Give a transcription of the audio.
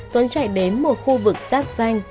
tuấn chạy đến một khu vực sáp xanh